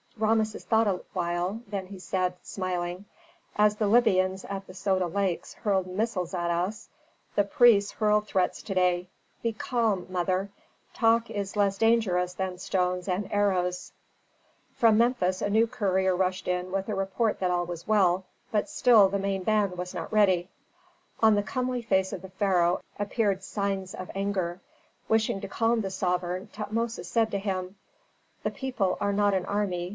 Rameses thought a while, then he said, smiling, "As the Libyans at the Soda Lakes hurled missiles at us, the priests hurl threats to day. Be calm, mother! Talk is less dangerous than stones and arrows." From Memphis a new courier rushed in with a report that all was well, but still the main band was not ready. On the comely face of the pharaoh appeared signs of anger. Wishing to calm the sovereign, Tutmosis said to him, "The people are not an army.